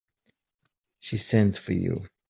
She sends for you.